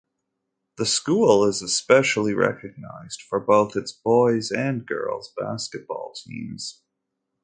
The school is especially recognized for both its boys' and girls' basketball teams.